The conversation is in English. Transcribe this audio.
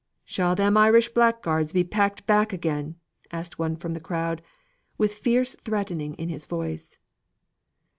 "Shall them Irish blackguards be packed back again?" asked one from out the crowd, with fierce threatening in his voice.